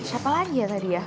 siapa lagi ya tadi ya